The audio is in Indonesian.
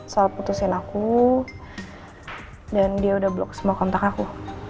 soal putusin aku dan dia udah blok semua kontak aku